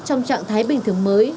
trong trạng thái bình thường mới